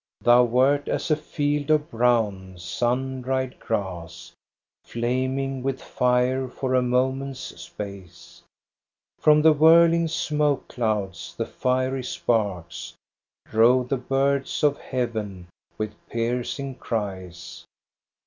Thou wert as a field of brown, sun dried grass Flaming with fire for a moment's space ; From the whirling smoke clouds the fiery sparks Drove the birds of heaven with piercing cries.